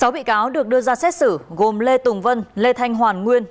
sáu bị cáo được đưa ra xét xử gồm lê tùng vân lê thanh hoàn nguyên